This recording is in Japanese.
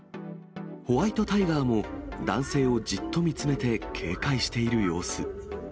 ホワイトタイガーも、男性をじっと見つめて警戒している様子。